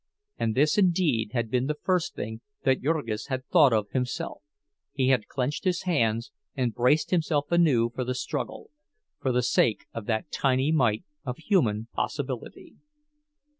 And this indeed had been the first thing that Jurgis had thought of himself—he had clenched his hands and braced himself anew for the struggle, for the sake of that tiny mite of human possibility.